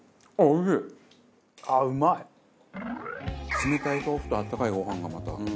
冷たい豆腐と温かいご飯がまた。